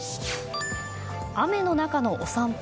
雨の中のお散歩。